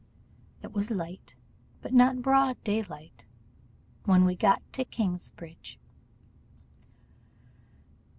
It was light, but not broad daylight, when we got to Knightsbridge.